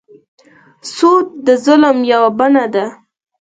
سود د ظلم یوه بڼه ده.